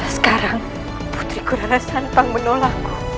sekarang putriku larasantang menolakku